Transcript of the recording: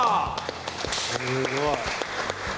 すごい。